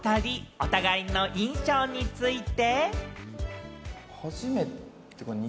お互いの印象について。